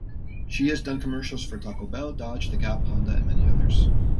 She has done commercials for Taco Bell, Dodge, the Gap, Honda and many others.